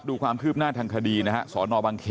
ลูกสาวหลายครั้งแล้วว่าไม่ได้คุยกับแจ๊บเลยลองฟังนะคะ